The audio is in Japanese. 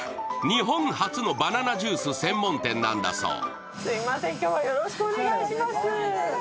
日本初のバナナジュース専門店なんだそう。